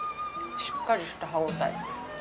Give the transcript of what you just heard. しっかりした歯応え。